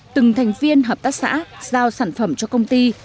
từng thành viên hợp tác xã giao sản phẩm cho công ty